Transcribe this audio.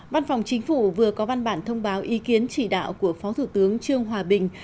văn phòng chính phủ vừa có văn bản thông báo ý kiến chỉ đạo của phó thủ tướng trương hòa bình